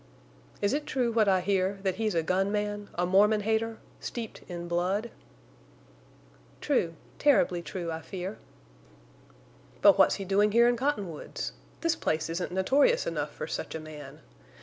"Is it true what I hear—that he's a gun man, a Mormon hater, steeped in blood?" "True—terribly true, I fear." "But what's he doing here in Cottonwoods? This place isn't notorious enough for such a man.